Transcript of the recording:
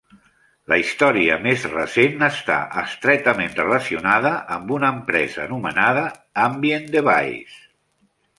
La història més recent està estretament relacionada amb una empresa anomenada Ambient Devices.